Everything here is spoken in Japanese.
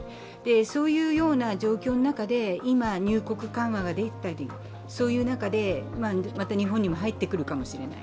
そういうような状況の中で今、入国緩和が出たりまた日本にも入ってくるかもしれない。